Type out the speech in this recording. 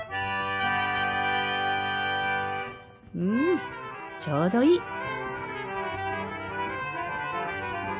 うんちょうどいい。